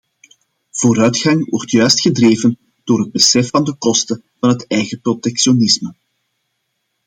Vooruitgang wordt juist gedreven door het besef van de kosten van het eigen protectionisme.